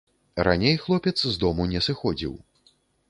Раней хлопец з дому не сыходзіў.